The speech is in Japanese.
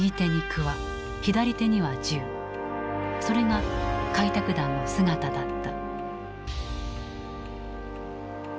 それが開拓団の姿だった。